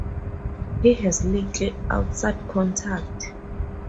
He has little outside contact.